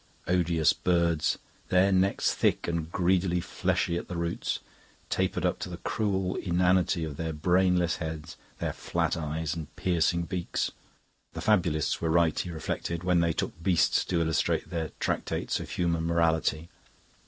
Odious birds! Their necks, thick and greedily fleshy at the roots, tapered up to the cruel inanity of their brainless heads, their flat eyes and piercing beaks. The fabulists were right, he reflected, when they took beasts to illustrate their tractates of human morality.